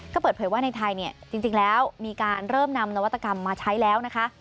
ก็เปิดเผยว่าในไทยเนี่ยจริงแล้วมีการเริ่มนำนวัตกรรมมาใช้แล้วนะคะ